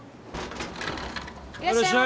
いらっしゃい。